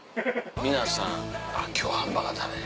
皆さん「今日ハンバーガー食べれる」。